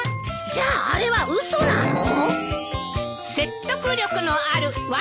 じゃああれは嘘なの！？